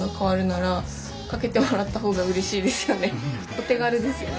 お手軽ですよね。